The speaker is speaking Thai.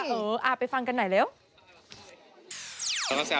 เออไปฟังกันหน่อยเร็ว